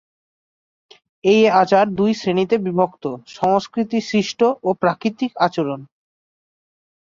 এ আচার দুই শ্রেণীতে বিভক্ত: সংস্কৃতি-সৃষ্ট ও প্রাকৃতিক আচরণ।